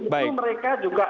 di situ mereka juga